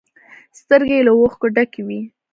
سترگې يې له اوښکو ډکې وې.